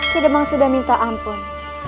tidak memang sudah minta ampun